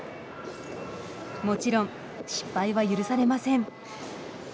もちろん失敗は許されません。